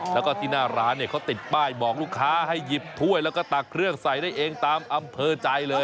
แล้วก็ที่หน้าร้านเนี่ยเขาติดป้ายบอกลูกค้าให้หยิบถ้วยแล้วก็ตักเครื่องใส่ได้เองตามอำเภอใจเลย